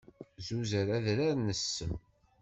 Zuzer adrar n ssem.